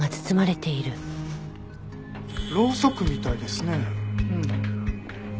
ろうそくみたいですね。